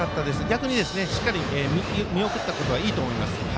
逆にしっかり見送ったことはいいと思います。